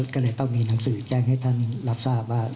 ก็เลยต้องมีหนังสือแจ้งให้ท่านรับทราบว่า